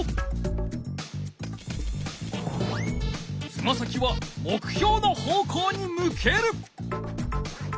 つま先は目標の方向に向ける。